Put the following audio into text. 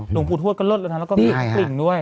หลวงปุธวชก็เลิศแล้วนะแล้วก็มีผลิงด้วย